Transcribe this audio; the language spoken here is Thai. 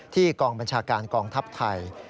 กองบัญชาการกองทัพไทย